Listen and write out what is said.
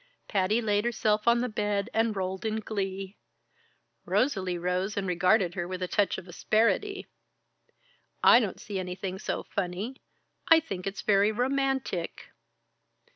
Patty laid herself on the bed and rolled in glee. Rosalie rose and regarded her with a touch of asperity. "I don't see anything so funny I think it's very romantic."